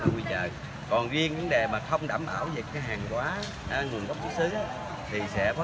hay là có dùng tay trần để bốc thức ăn hay không v v